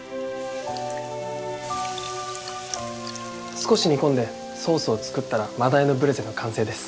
少し煮込んでソースを作ったら真鯛のブレゼの完成です。